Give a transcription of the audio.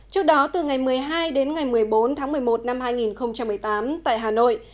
trước đó từ ngày một mươi hai đến ngày một mươi bốn tháng một mươi một năm hai nghìn một mươi tám tại hà nội